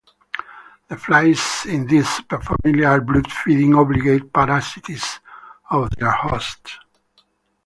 The flies in this superfamily are blood-feeding obligate parasites of their hosts.